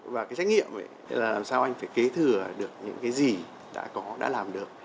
và cái trách nhiệm là làm sao anh phải kế thừa được những cái gì đã có đã làm được